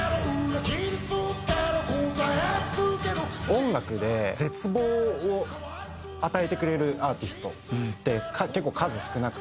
音楽で絶望を与えてくれるアーティストって結構数少なくて。